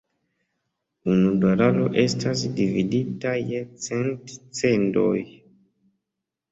Unu dolaro estas dividita je cent "cendoj".